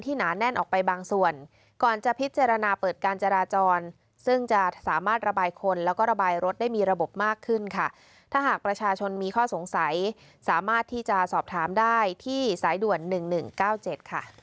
ถ้าหากประชาชนมีข้อสงสัยสามารถที่จะสอบถามได้ที่สายด่วน๑๑๙๗ค่ะ